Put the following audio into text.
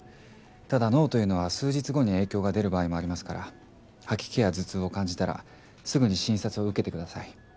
ただ脳というのは数日後に影響が出る場合もありますから吐き気や頭痛を感じたらすぐに診察を受けてください。